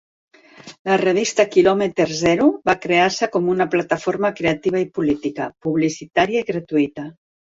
La revista "Kilometer Zero" va crear-se com una plataforma creativa i política, publicitària i gratuïta.